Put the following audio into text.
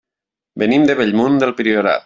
Venim de Bellmunt del Priorat.